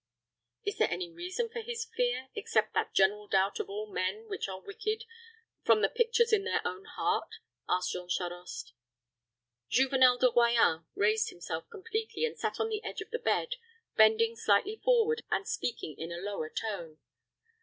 "Is there any reason for his fear, except that general doubt of all men which the wicked have from the pictures in their own heart?" asked Jean Charost. Juvenel de Royans raised himself completely, and sat upon the edge of the bed, bending slightly forward, and speaking in a lower tone.